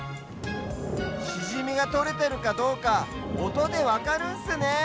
シジミがとれてるかどうかおとでわかるんすねえ。